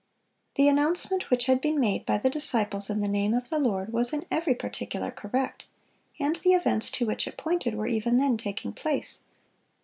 (575) The announcement which had been made by the disciples in the name of the Lord was in every particular correct, and the events to which it pointed were even then taking place.